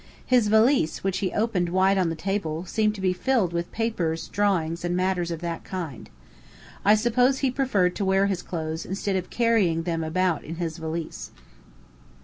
His valise, which he opened wide on the table, seemed to be filled with papers, drawings, and matters of that kind. I suppose he preferred to wear his clothes, instead of carrying them about in his valise.